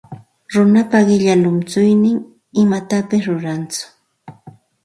Runapa qilla llunchuynin imatapis rurantsu.